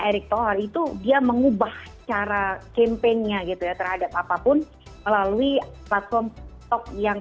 erick thohir itu dia mengubah cara campaignnya gitu ya terhadap apapun melalui platform yang